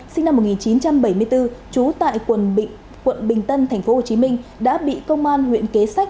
sinh năm một nghìn chín trăm bảy mươi bốn trú tại quận bình tân tp hcm đã bị công an huyện kế sách